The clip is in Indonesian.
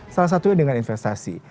salah satunya dengan investasi